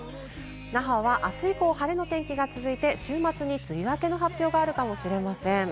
那覇はあす以降、晴れのお天気が続いて週末に梅雨明けの発表があるかもしれません。